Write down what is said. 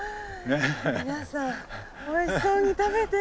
皆さんおいしそうに食べてる。